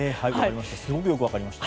すごくよく分かりました。